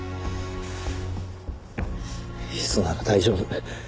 砒素なら大丈夫。